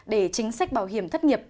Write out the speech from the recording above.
để chính sách bảo hiểm thất nghiệp